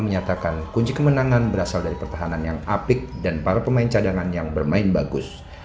menyatakan kunci kemenangan berasal dari pertahanan yang apik dan para pemain cadangan yang bermain bagus